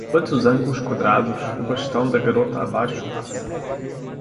Quantos ângulos quadrados o bastão da garota abaixo passa?